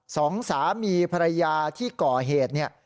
สองสามีภรรยาที่ก่อเหตุเนี่ย